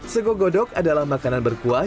segogodok adalah makanan berkuah